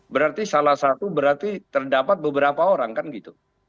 berarti salah satu berarti terdapat beberapa orang kan gitu